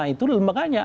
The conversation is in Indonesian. itu lembaga nya